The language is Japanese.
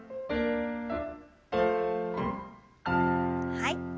はい。